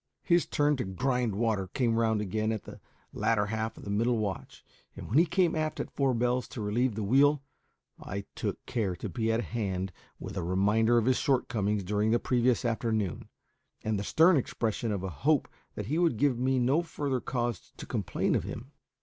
His turn to "grind water" came round again at the latter half of the middle watch, and when he came aft at four bells to relieve the wheel I took care to be at hand with a reminder of his shortcomings during the previous afternoon, and the stern expression of a hope that he would give me no further cause to complain of him.